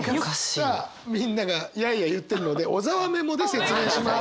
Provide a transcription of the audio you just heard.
さあみんながやんや言ってるので小沢メモで説明します。